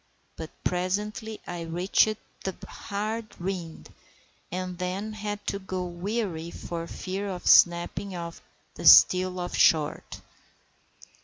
But presently I reached the hard rind, and then had to go warily for fear of snapping the steel off short.